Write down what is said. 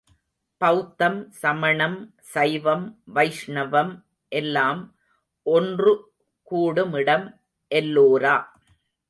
பௌத்தம், சமணம், சைவம், வைஷ்ணவம் எல்லாம் ஒன்று கூடுமிடம் எல்லோரா.